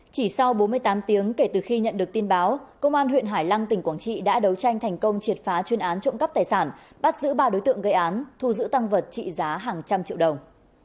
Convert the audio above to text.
chỉ sau bốn mươi tám tiếng kể từ khi nhận được tin báo công an huyện hải lăng tỉnh quảng trị đã đấu tranh thành công triệt phá chuyên án trộm cắp tài sản bắt giữ ba đối tượng gây án thu giữ tăng vật trị giá hàng trăm triệu đồng